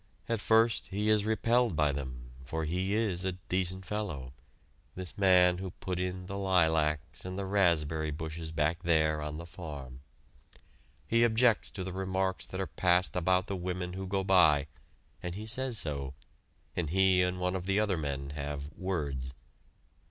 At first, he is repelled by them, for he is a decent fellow, this man who put in the lilacs and the raspberry bushes back there on the farm. He objects to the remarks that are passed about the women who go by, and he says so, and he and one of the other men have "words."